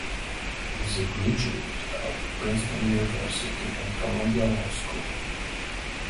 He is a graduate of Princeton University and Columbia Law School.